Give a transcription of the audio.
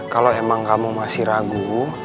kalau emang kamu masih ragu